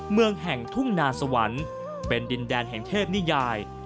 เมืองแห่งทุ่งนาสวรรค์เป็นดินแดนแห่งเทพนิยาย